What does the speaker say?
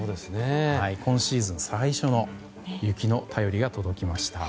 今シーズン最初の雪の便りが届きました。